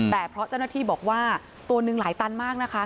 แต่เพราะเจ้าหน้าที่บอกว่าตัวหนึ่งหลายตันมากนะคะ